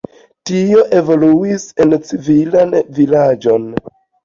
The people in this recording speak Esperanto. Tio evoluis en civilan vilaĝon.